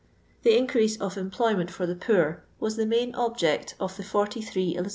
The increase of emplo3'ment for the' poor was the main object of the 43 Eliz.